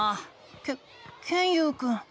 ケケンユウくん。